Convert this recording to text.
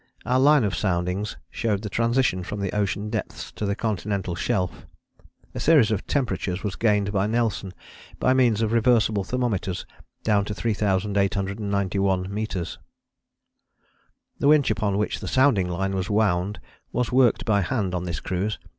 Our line of soundings showed the transition from the ocean depths to the continental shelf. A series of temperatures was gained by Nelson by means of reversible thermometers down to 3891 metres. The winch upon which the sounding line was wound was worked by hand on this cruise.